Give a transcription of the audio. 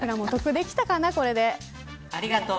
ありがとう。